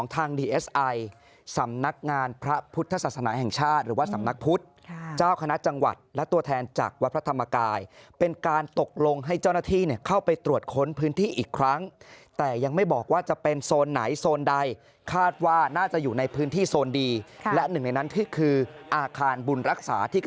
ดีเอสไอสำนักงานพระพุทธศาสนาแห่งชาติหรือว่าสำนักพุทธเจ้าคณะจังหวัดและตัวแทนจากวัดพระธรรมกายเป็นการตกลงให้เจ้าหน้าที่เข้าไปตรวจค้นพื้นที่อีกครั้งแต่ยังไม่บอกว่าจะเป็นโซนไหนโซนใดคาดว่าน่าจะอยู่ในพื้นที่โซนดีและหนึ่งในนั้นก็คืออาคารบุญรักษาที่ก